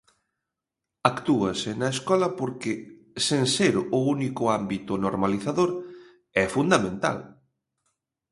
Actúase na escola porque, sen ser o único ámbito normalizador, é fundamental.